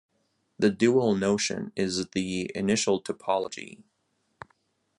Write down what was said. The dual notion is the initial topology.